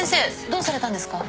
どうされたんですか？